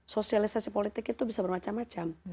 sosialisasi politik itu bisa bermacam macam